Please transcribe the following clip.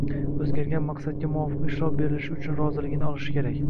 o‘zgargan maqsadga muvofiq ishlov berilishi uchun roziligini olishi kerak.